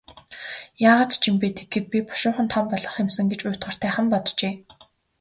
Яагаад ч юм бэ, тэгэхэд би бушуухан том болох юм сан гэж уйтгартайхан боджээ.